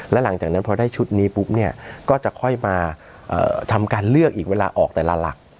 แล้วหลังจากนั้นพอได้ชุดนี้ปุ๊บเนี่ยก็จะค่อยมาทำการเลือกอีกเวลาออกแต่ละหลัก